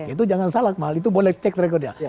itu jangan salah akmal itu boleh cek rekodnya